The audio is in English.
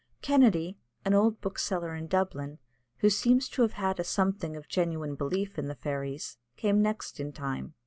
Kennedy, an old bookseller in Dublin, who seems to have had a something of genuine belief in the fairies, came next in time.